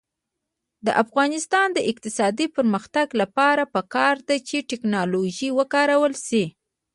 د افغانستان د اقتصادي پرمختګ لپاره پکار ده چې ټیکنالوژي وکارول شي.